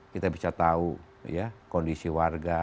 kita bisa tahu ya kondisi warga